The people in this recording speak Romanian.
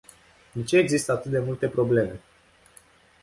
De ce există atât de multe probleme?